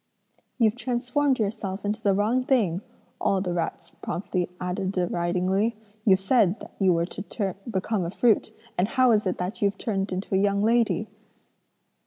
"'You've transformed yourself into the wrong thing,' all the rats promptly added deridingly; 'you said that you were to become a fruit, and how is it that you've turned into a young lady?'